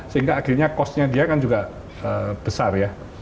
sehingga akhirnya costnya dia kan juga besar ya